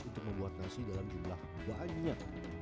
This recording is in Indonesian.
untuk membuat nasi dalam jumlah banyak